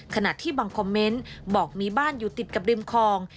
ขณะที่บางคอมเมนต์บอกมีบ้านอยู่ติดกับริมคลอง